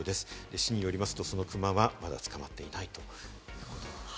市によりますと、そのクマはまだ、捕まっていないということなんです。